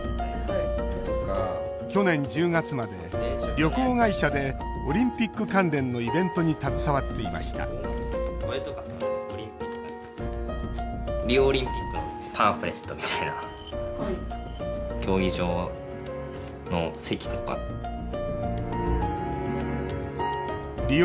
去年１０月まで旅行会社でオリンピック関連のイベントに携わっていましたリオ